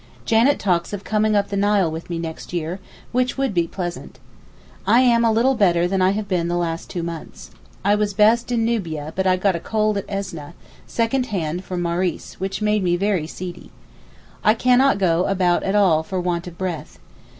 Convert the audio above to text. Janet talks of coming up the Nile with me next year, which would be pleasant. I am a little better than I have been the last two months. I was best in Nubia but I got a cold at Esneh, second hand from Maurice, which made me very seedy. I cannot go about at all for want of breath.